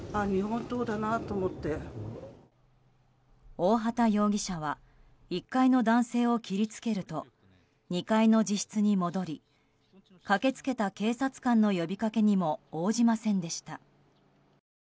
大畑容疑者は１階の男性を切りつけると２階の自室に戻り駆け付けた警察官の呼びかけにも応じませんでした。